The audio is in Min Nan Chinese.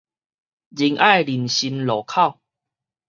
仁愛林森路口